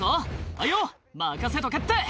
「はいよ！任せとけって」